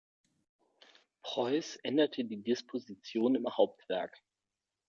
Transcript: Preuß änderte die Disposition im Hauptwerk.